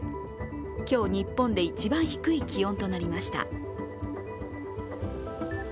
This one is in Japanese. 今日日本で一番低い気温となりました。